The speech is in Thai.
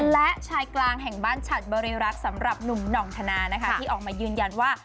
และชายกลางแห่งบ้านฉัดบริรักษ์สำหรับหนุ่มหน่องธนานะคะที่ออกมายืนยันว่า